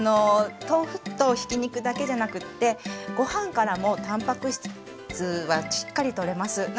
豆腐とひき肉だけじゃなくってご飯からもたんぱく質はしっかりとれます。